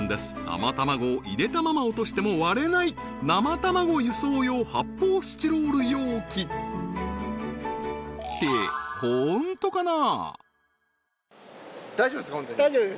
生卵を入れたまま落としても割れない生卵輸送用発泡スチロール容器ってホントかな？